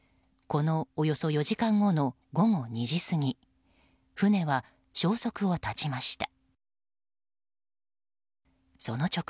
このおよそ４時間後の午後２時過ぎ船は消息を絶ちました。